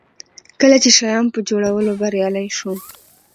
کله چې شیام په جوړولو بریالی شو.